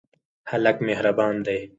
هلک مهربان دی.